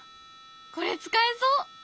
これ使えそう！